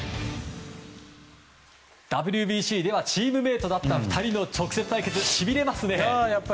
ＷＢＣではチームメートだった２人の直接対決しびれますね！